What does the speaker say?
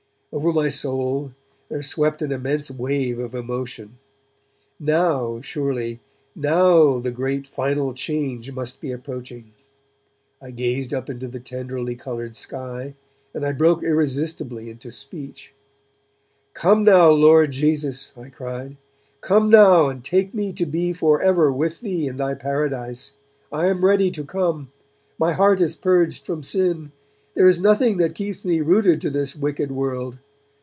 Over my soul there swept an immense wave of emotion. Now, surely, now the great final change must be approaching. I gazed up into the tenderly coloured sky, and I broke irresistibly into speech. 'Come now, Lord Jesus,' I cried, 'come now and take me to be for ever with Thee in Thy Paradise. I am ready to come. My heart is purged from sin, there is nothing that keeps me rooted to this wicked world.